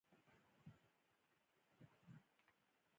برابر د دوه ویشت د دسمبر و نهه ویشت و شپېتو.